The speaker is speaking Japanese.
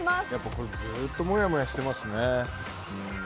これはずっともやもやしていますね。